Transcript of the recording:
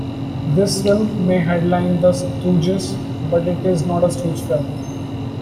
This film may headline the Stooges, but it is not a Stooge film.